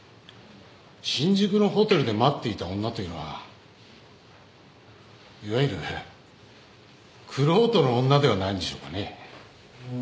新宿のホテルで待っていた女というのはいわゆる玄人の女ではないんでしょうかね。